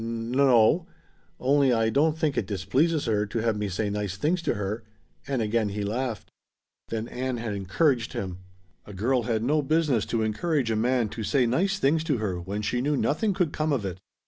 "N o; only I don't think it displeases her to have me say nice things to her." And again he laughed. Then Ann had encouraged him. A girl had no business to encourage a man to say nice things to her when she knew nothing could come of it.